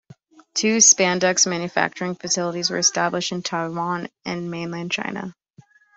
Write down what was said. Two spandex manufacturing facilities were established in Taiwan and mainland China.